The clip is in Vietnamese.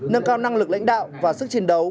nâng cao năng lực lãnh đạo và sức chiến đấu